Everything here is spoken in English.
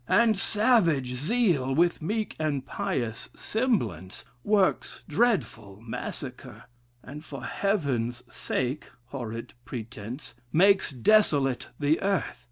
And savage zeal, with meek and pious semblance, works dreadful massacre; and for heaven's sake (horrid pretence) makes desolate the earth.'